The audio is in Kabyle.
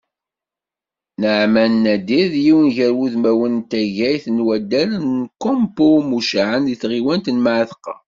Naɛman Nadir, d yiwen gar wudmawen n taggayt n waddal n Kempo muccaεen deg tɣiwant n Mεatqa.